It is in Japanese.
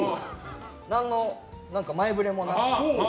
何の前触れもなく。